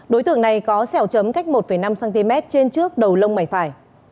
đối tượng này có xẻo chấm cách một năm cm trên trước đầu lông mảnh phải